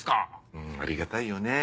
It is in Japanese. うんありがたいよね。